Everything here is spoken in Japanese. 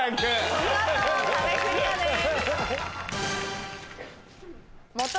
見事壁クリアです。